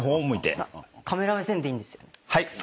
カメラ目線でいいんですよね？